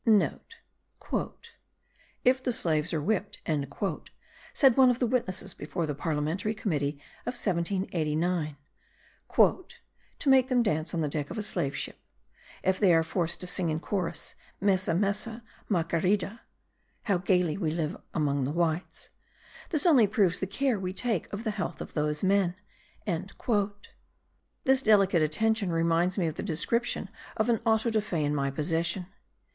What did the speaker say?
(* "If the slaves are whipped," said one of the witnesses before the Parliamentary Committee of 1789, "to make them dance on the deck of a slave ship if they are forced to sing in chorus; 'Messe, messe, mackerida,' [how gaily we live among the whites], this only proves the care we take of the health of those men." This delicate attention reminds me of the description of an auto da fe in my possession.